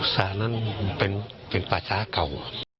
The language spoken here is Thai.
ศาลนั้นเป็นเป็นปลาชาเก่า